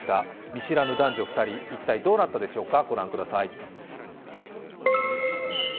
見知らぬ男女２人、一体どうなったでしょうか。